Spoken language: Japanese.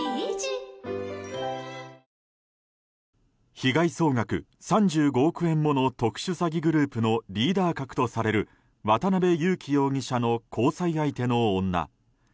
⁉被害総額３５億円もの特殊詐欺グループのリーダー格とされる渡邉優樹容疑者の交際相手の女。